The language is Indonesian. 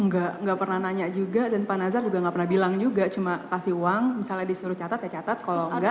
enggak enggak pernah nanya juga dan pak nazar juga nggak pernah bilang juga cuma kasih uang misalnya disuruh catat ya catat kalau enggak